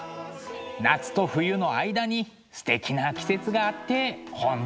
夏と冬の間にすてきな季節があって本当によかった。